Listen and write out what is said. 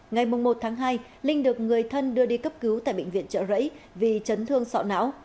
ngày một tháng hai linh được người thân đưa đi cấp cứu tại bệnh viện trợ rẫy vì chấn thương sọ não